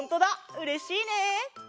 うれしいね！